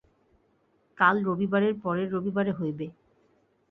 কাল রবিবারের পরের রবিবারে হইবে।